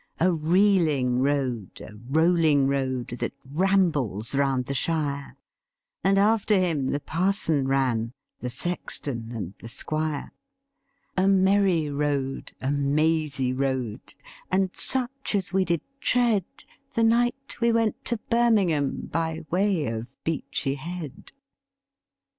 A reeling road, a rolling road, that rambles round the shire, And after him the parson ran, the sexton and the squire; A merry road, a mazy road, and such as we did tread The night we went to Birmingham by way of Beachy Head.